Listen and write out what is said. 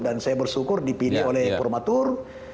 dan saya bersyukur dipilih oleh permatur